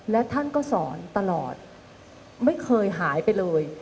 และท่านก็สอนตลอดไม่เคยหายไปเลย